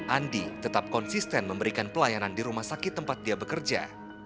andi tetap konsisten memberikan pelayanan di rumah sakit tempat dia bekerja